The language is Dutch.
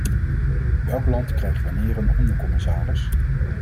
Welk land krijgt wanneer een ondercommissaris?